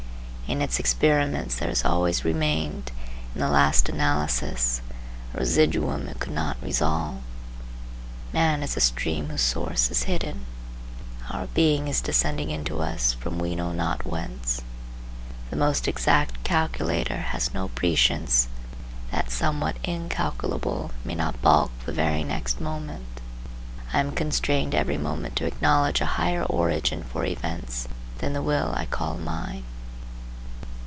In its experiments there has always remained, in the last analysis, a residuum it could not resolve. Man is a stream whose source is hidden. Our being is descending into us from we know not whence. The most exact calculator has no prescience that somewhat incalculable may not balk the very next moment. I am constrained every moment to acknowledge a higher origin for events than the will I call mine.